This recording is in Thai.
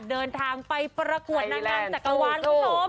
เดินทางไปประกวดนางงามจักรวาลคุณผู้ชม